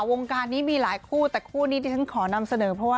วงการนี้มีหลายคู่แต่คู่นี้ที่ฉันขอนำเสนอเพราะว่า